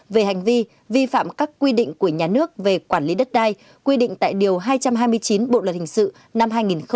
về hành vi vi phạm các quy định của nhà nước về quản lý đất đai quy định tại điều hai trăm hai mươi chín bộ luật hình sự năm hai nghìn một mươi năm